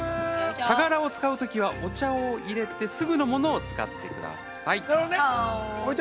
茶殻を使う時はお茶をいれてすぐのものを使ってください。